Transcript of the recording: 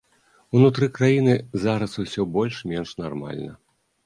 Унутры краіны зараз усё больш-менш нармальна.